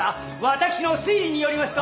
私の推理によりますと。